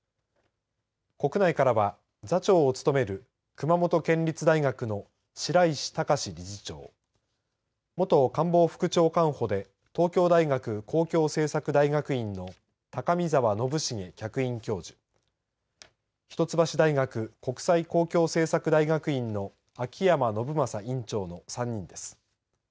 国内からは、座長を務める熊本県立大学の白石隆理事長、元官房副長官補で東京大学公共政策大学院の高見澤將林客員教授、一橋大学国際・公共政策大学院の秋山信将院長の３人です。